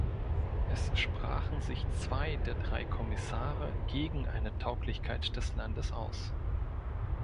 Es sprachen sich zwei der drei Kommissare gegen eine Tauglichkeit des Landes aus.